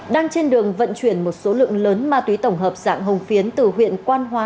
đang trên đường vận chuyển một số lượng lớn ma túy tổng hợp dạng hồng phiến từ huyện quan hóa